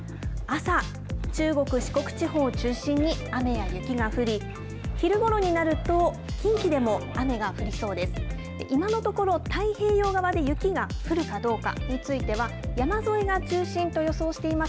朝、中国、四国地方を中心に雨や雪が降り、昼ごろになると、近畿でも雨が降りそうです。